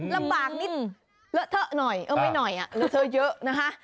ลำบากนิดเลอะเทอะหน่อยเออไม่หน่อยเลอะเทอะเยอะนะคะ